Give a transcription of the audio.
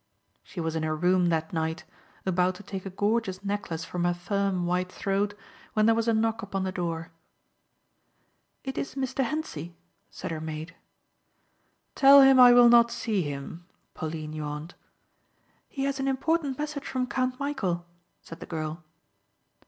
She was in her room that night, about to take a gorgeous necklace from her firm white throat, when there was a knock upon the door. "It is Mr. Hentzi," said her maid. "Tell him I will not see him," Pauline yawned. "He has an important message from Count Michæl," said the girl.